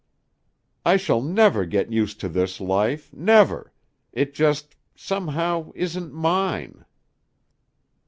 "I shall never get used to this life, never. It just somehow isn't mine."